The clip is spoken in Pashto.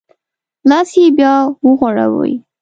لاس یې بیا وغوړوی.